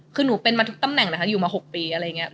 คือหนูเป็นมาทุกตำแหน่งนะคะอยู่มา๖ปีอะไรอย่างนี้